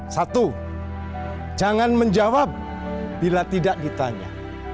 satu jangan menjawab bila tidak ditanya